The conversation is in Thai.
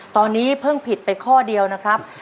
ตอนนี้เพิ่งผิดไปข้อเดียวนะครับ